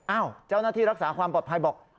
เจ้าหน้าที่รักษาความปลอดภัยบอก